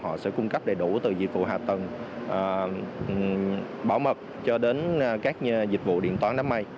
họ sẽ cung cấp đầy đủ từ dịch vụ hạ tầng bảo mật cho đến các dịch vụ điện toán đám mây